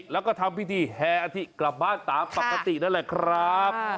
แล้วก็ทำพิธีแห่อาธิกลับบ้านตามปกตินั่นแหละครับ